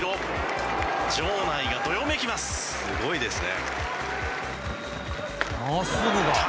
すごいですね。